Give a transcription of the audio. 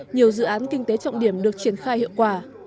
nhiều dự án kinh tế trọng điểm được triển khai hiệu quả